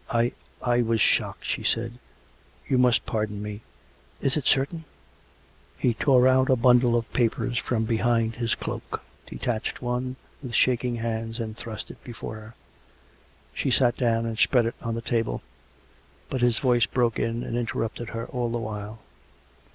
" I ... I was shocked," she said; "... you must par don me. ... Is it certain? " He tore out a bundle of papers from behind his cloak, COME RACK! COME ROPE! 185 detached one with shaking hands and thrust it before her. She sat down and spread it on the table. But his voice broke in and interrupted her all the while.